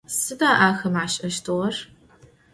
Sıda axem aş'eştığer?